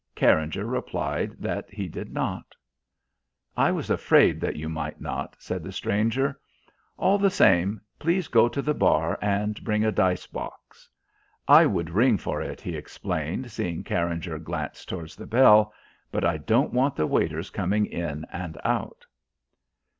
Carringer replied that he did not. "I was afraid that you might not," said the stranger. "All the same, please go to the bar and bring a dice box. I would ring for it," he explained, seeing Carringer glance towards the bell, "but I don't want the waiters coming in and out."